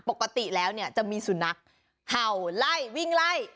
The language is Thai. ปกติแล้วเนี่ยจะมีสุนัขเห่าไล่วิ่งไล่